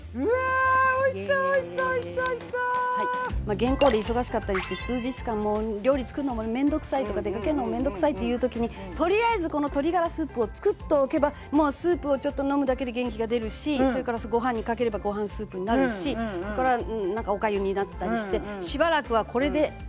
原稿で忙しかったりして数日間もう料理作るのも面倒くさいとか出かけるのも面倒くさいっていう時にとりあえずこの鶏ガラスープを作っておけばもうスープをちょっと飲むだけで元気が出るしそれからご飯にかければご飯スープになるしそれから何かおかゆになったりしてしばらくはこれで生きていける。